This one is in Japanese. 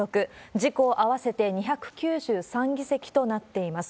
自公合わせて２９３議席となっています。